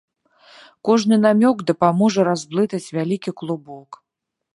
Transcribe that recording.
Кожны намёк дапаможа разблытаць вялікі клубок.